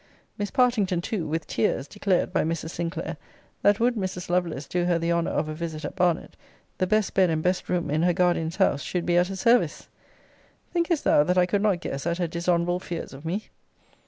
Miss Partington too (with tears) declared, by Mrs. Sinclair, that would Mrs. Lovelace do her the honour of a visit at Barnet, the best bed and best room in her guardian's house should be at her service. Thinkest thou that I could not guess at her dishonourable fears of me?